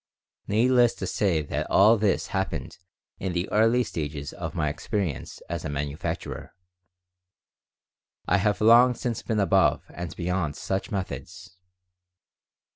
Needless to say that all this happened in the early stages of my experience as a manufacturer. I have long since been above and beyond such methods.